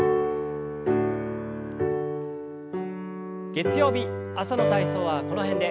月曜日朝の体操はこの辺で。